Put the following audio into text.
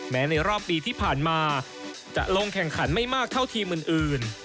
ในรอบปีที่ผ่านมาจะลงแข่งขันไม่มากเท่าทีมอื่น